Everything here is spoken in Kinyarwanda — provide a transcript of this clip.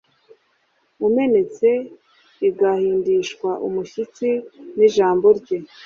umenetse, igahindishwa umushyitsi n'ijambo rye